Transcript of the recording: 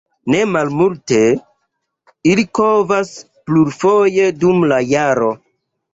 Ne malofte ili kovas plurfoje dum la jaro.